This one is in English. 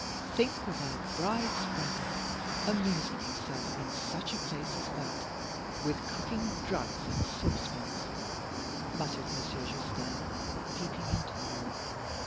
"Think of our bride's brother amusing himself in such a place as that with cooking drugs in saucepans," muttered Monsieur Justin, peeping into the room.